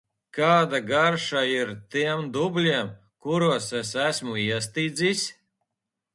Kāda garša ir tiem dubļiem, kuros es esmu iestidzis?